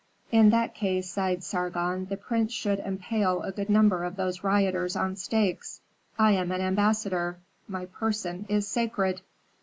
"In that case," sighed Sargon, "the prince should impale a good number of those rioters on stakes. I am an ambassador; my person is sacred."